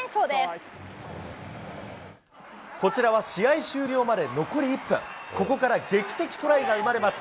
こちらは試合終了まで残り１分、ここから劇的トライが生まれます。